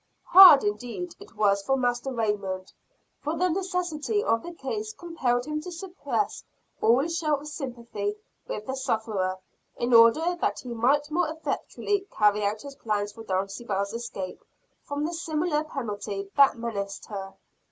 Hard, indeed, it was for Master Raymond; for the necessity of the case compelled him to suppress all show of sympathy with the sufferer, in order that he might more effectually carry out his plans for Dulcibel's escape from the similar penalty that menaced her.